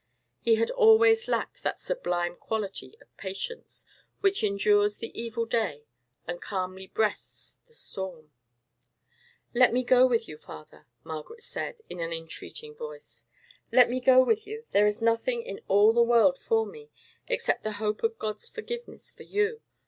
He had always lacked that sublime quality of patience, which endures the evil day, and calmly breasts the storm. "Let me go with you, father," Margaret said, in an entreating voice, "let me go with you. There is nothing in all the world for me, except the hope of God's forgiveness for you.